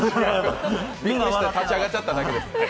今は立ち上がっちゃっただけです。